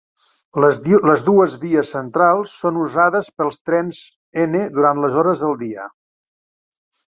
Les dues vies centrals són usades pels trens N durant les hores del dia.